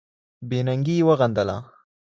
بې ننګي یې وغندله